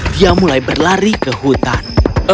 dia mulai berlari ke hutan